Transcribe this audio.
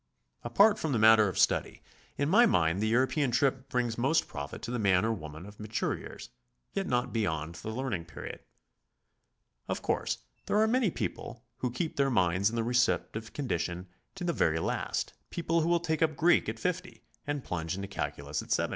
Apart from the matter of study, to my mind the Euro pean trip brings most profit to the man or woman of mature years, yet not beyond the learning period. Of course, there are many people who keep their minds in the receptive condition to the very last, people who will take up Greek at 50, and plunge into calculus at 70.